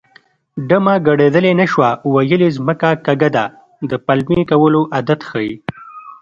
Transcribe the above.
ډمه ګډېدلی نه شوه ویل یې ځمکه کږه ده د پلمې کولو عادت ښيي